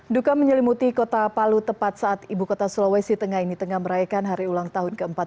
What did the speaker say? duka menyelimuti kota palu tepat saat ibu kota sulawesi tengah ini tengah merayakan hari ulang tahun ke empat puluh